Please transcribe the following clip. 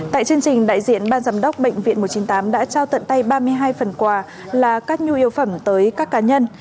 tại chương trình đại diện ban giám đốc bệnh viện một trăm chín mươi tám đã trao tận tay ba mươi hai phần quà là các nhu yếu phẩm tới các cá nhân